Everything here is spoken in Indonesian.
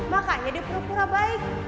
makanya jadi pura pura baik